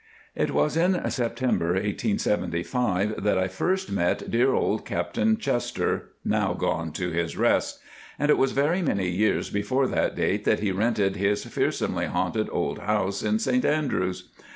It was in September 1875 that I first met dear old Captain Chester (now gone to his rest); and it was very many years before that date that he rented his fearsomely haunted old house in St Andrews.